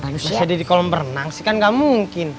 bisa dia di kolam berenang sih kan gak mungkin